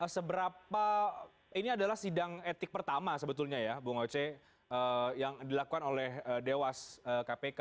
seberapa ini adalah sidang etik pertama sebetulnya ya bung oce yang dilakukan oleh dewas kpk